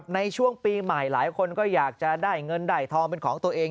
ในช่วงปีใหม่หลายคนก็อยากจะได้เงินได้ทองเป็นของตัวเอง